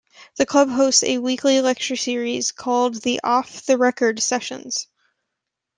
The club hosts a weekly lecture series called the Off-the-Record Sessions.